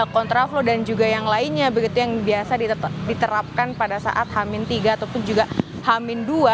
kontraflow dan juga yang lainnya begitu yang biasa diterapkan pada saat hamin tiga ataupun juga hamin dua